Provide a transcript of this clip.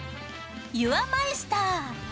ユアマイスター。